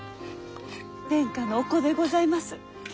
殿下のお子でございます。